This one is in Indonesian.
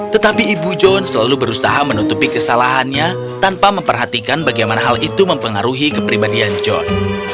tetapi ibu john selalu berusaha menutupi kesalahannya tanpa memperhatikan bagaimana hal itu mempengaruhi kepribadian john